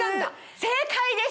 正解です。